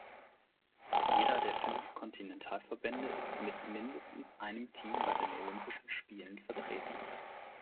Jeder der fünf Kontinentalverbände ist mit mindestens einem Team bei den Olympischen Spielen vertreten.